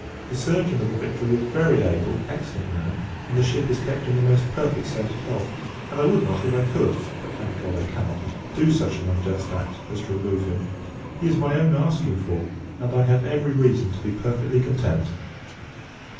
The surgeon of the Victory is a very able, excellent man, and the ship is kept in the most perfect state of health; and, I would not, if I could but, thank [God] I cannot do such an unjust act, as to remove him. He is my own asking for! and, I have every reason to be perfectly content.